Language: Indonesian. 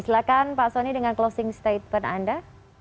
silahkan pak soni dengan closing statement anda